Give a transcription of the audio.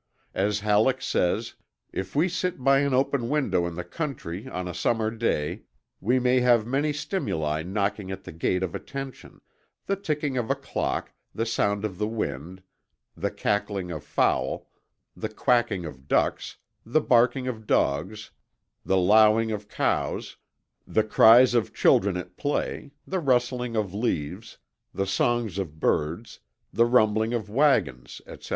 As Halleck says: "If we sit by an open window in the country on a summer day, we may have many stimuli knocking at the gate of attention: the ticking of a clock, the sound of the wind, the cackling of fowl, the quacking of ducks, the barking of dogs, the lowing of cows, the cries of children at play, the rustling of leaves, the songs of birds, the rumbling of wagons, etc.